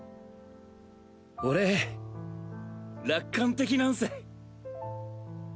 俺楽観的なんす。